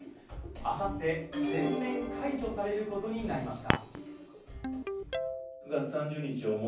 あさって、全面解除されることになりました。